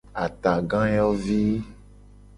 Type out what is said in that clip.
Atagayovi.